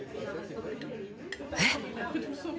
えっ？